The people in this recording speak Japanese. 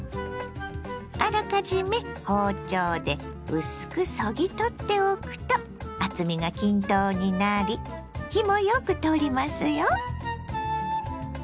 あらかじめ包丁で薄くそぎ取っておくと厚みが均等になり火もよく通りますよ。